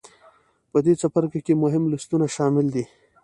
په دې څپرکې کې مهم لوستونه شامل دي.